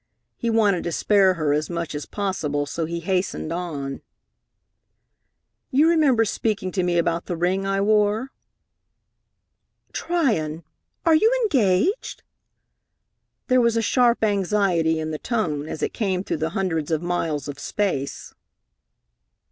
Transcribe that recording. He wanted to spare her as much as possible, so he hastened on: "You remember speaking to me about the ring I wore?" "Tryon! Are you engaged?" There was a sharp anxiety in the tone as it came through the hundreds of miles of space.